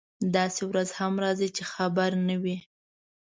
داسې ورځ هم راځي چې خبر نه وي.